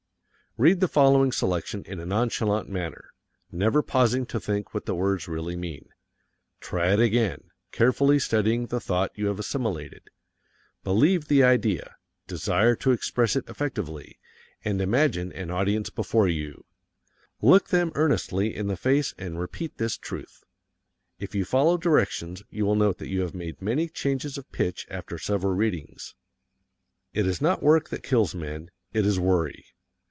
Read the following selection in a nonchalant manner, never pausing to think what the words really mean. Try it again, carefully studying the thought you have assimilated. Believe the idea, desire to express it effectively, and imagine an audience before you. Look them earnestly in the face and repeat this truth. If you follow directions, you will note that you have made many changes of pitch after several readings. It is not work that kills men; it is worry.